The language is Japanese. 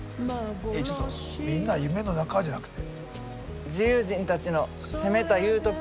ちょっと「みんな夢の中」じゃなくて。